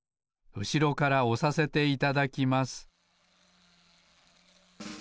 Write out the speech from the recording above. うしろからおさせていただきます